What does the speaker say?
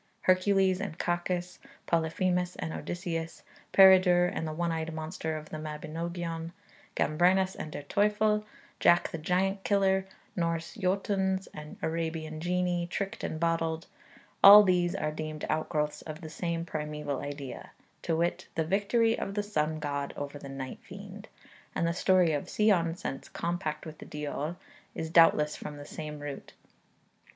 Hercules and Cacus, Polyphemus and Odysseus, Peredur and the one eyed monster of the Mabinogion, Gambrinus and der Teufel, Jack the Giant Killer, Norse Jötuns and Arabian genii tricked and bottled; all these are deemed outgrowths of the same primeval idea, to wit, the victory of the sun god over the night fiend; and the story of Sion Cent's compact with the diawl is doubtless from the same root.